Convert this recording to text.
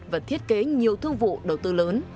và thiết kế nhiều thương vụ đầu tư lớn